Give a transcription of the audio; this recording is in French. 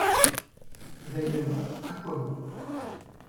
D’ailleurs, à quoi bon?